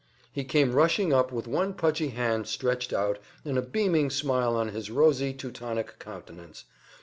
He came rushing up with one pudgy hand stretched out, and a beaming smile on his rosy Teutonic countenance.